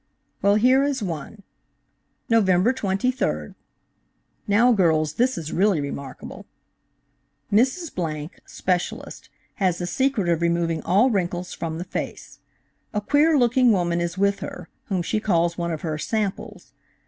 "Well, here is one :" Nov. 23d.–"Now, girls, this is really remarkable" (aside) "Mrs –, specialist, has the secret of removing all wrinkles from the face. A queer looking woman is with her, whom she calls one of her 'samples.'